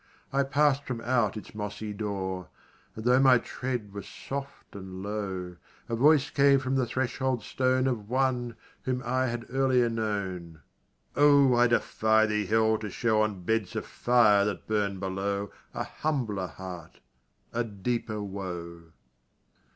I pass'd from out its mossy door, And, tho' my tread was soft and low, A voice came from the threshold stone Of one whom I had earlier known O, I defy thee, Hell, to show On beds of fire that burn below, A humbler heart a deeper woe.